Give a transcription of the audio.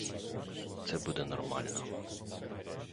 Це буде нормально.